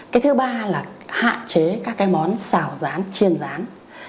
cái thứ ba là hạn chế các món xào gián chiên gián